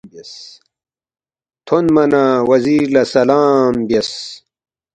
تھونما نہ وزیر لہ سلام بیاس